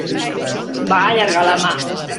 Va allargar la mà.